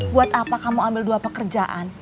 buat apa kamu ambil dua pekerjaan